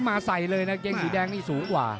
มาใส่เลยนะเกงสีแดงนี่สูงกว่า